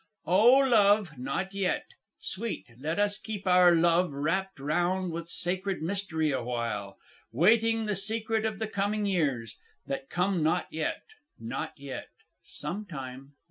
O love, not yet!... Sweet, let us keep our love Wrapped round with sacred mystery awhile, Waiting the secret of the coming years, That come not yet, not yet... sometime...